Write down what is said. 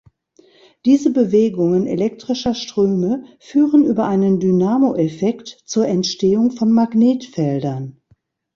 Diese Bewegungen elektrischer Ströme führen über einen Dynamo-Effekt zur Entstehung von Magnetfeldern.